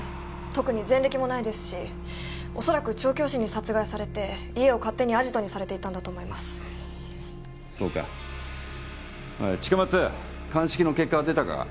特に前歴もないですし恐らく調教師に殺害されて家を勝手にアジトにされていたんだと思いますそうかおい近松鑑識の結果は出たか？